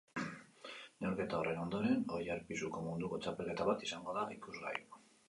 Neurketa horren ondoren, oilar pisuko munduko txapelketa bat izango da ikusgai.